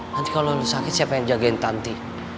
nanti kalo lu sakit siapa yang jagain tanti